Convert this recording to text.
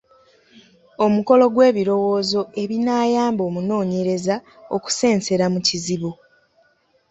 Omukolo gw’ebirowoozo ebinaayamba omunoonyereza okusensera mu kizibu.